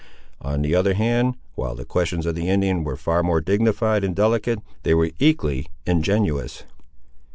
On the other hand, while the questions of the Indian were far more dignified and delicate, they were equally ingenious.